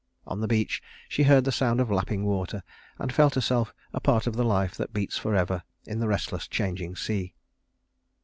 On the beach she heard the sound of lapping water and felt herself a part of the life that beats forever in the restless changing sea.